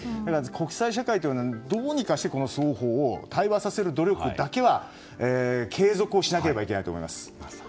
国際社会はどうにかして双方を対話させる努力だけは継続しなきゃいけないと思います。